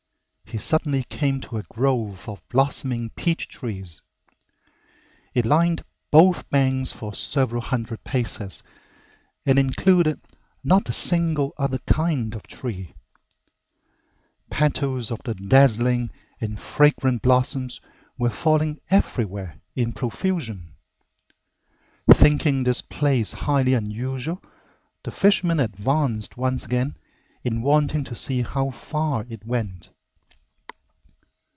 He suddenly came to a grove of blossoming peach trees. It lined both banks for several hundred paces and included not a single other kind of tree. Petals of the dazzling and fragrant blossoms were falling everywhere in profusion. Thinking this place highly unusual, the fisherman advanced once again in wanting to see how far it went.